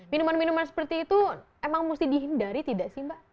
minuman minuman seperti itu emang mesti dihindari tidak sih mbak